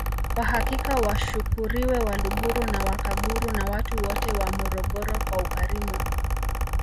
Kwa hakika washukuriwe Waluguru na Wakaguru na watu wote wa Morogoro kwa ukarimu